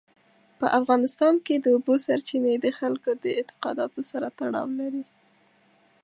په افغانستان کې د اوبو سرچینې د خلکو د اعتقاداتو سره تړاو لري.